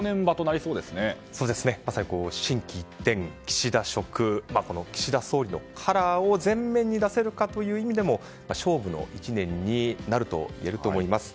そうですね、まさに心機一転岸田色、この岸田総理のカラーを前面に出せるかどうかという意味でも勝負の１年になるといえると思います。